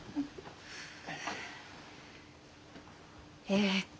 えっと。